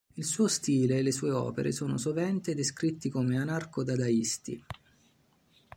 Il suo stile e le sue opere sono sovente descritti come anarco-dadaisti.